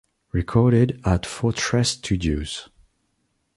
Recorded at Fortress Studios.